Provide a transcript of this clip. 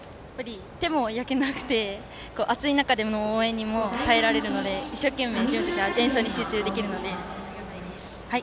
手も焼けなくて暑い中での応援にも耐えられるので一生懸命、演奏に集中できるのでありがたいです。